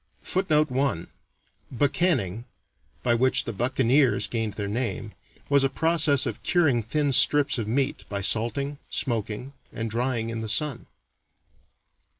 [Footnote 1: Buccanning, by which the "buccaneers" gained their name, was a process of curing thin strips of meat by salting, smoking, and drying in the sun.